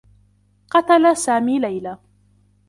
قتل سامي ليلى.